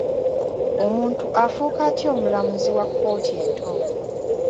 Omuntu afuuka atya omulamuzi wa kkooti ento?